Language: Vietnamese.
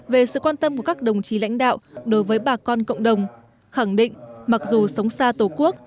về sự quan tâm của các đồng chí lãnh đạo đối với bà con cộng đồng khẳng định mặc dù sống xa tổ quốc